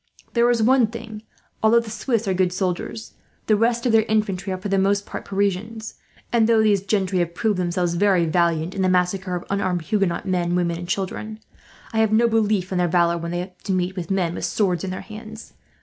There is one thing: although the Swiss are good soldiers, the rest of their infantry are for the most part Parisians, and though these gentry have proved themselves very valiant in the massacre of unarmed Huguenot men, women, and children, I have no belief in their valour, when they have to meet men with swords in their hands.